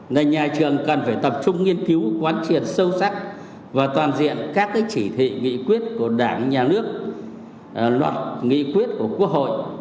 là nhà trường cần phải tập trung nghiên cứu quán triệt sâu sắc và toàn diện các chỉ thị nghị quyết của đảng nhà nước luật nghị quyết của quốc hội